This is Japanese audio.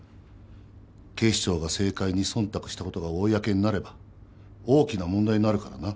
警視庁が政界に忖度したことが公になれば大きな問題になるからな。